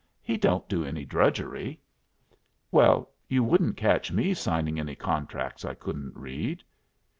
He don't do any drudgery." "Well, you wouldn't catch me signing any contracts I couldn't read."